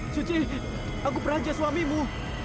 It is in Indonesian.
suci aku peranjat suamimu